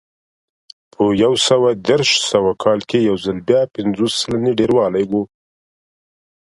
په یو سوه دېرش سوه کال کې یو ځل بیا پنځوس سلنې ډېروالی و